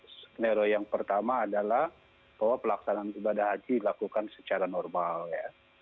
skenario yang pertama adalah bahwa pelaksanaan ibadah haji dilakukan secara normal ya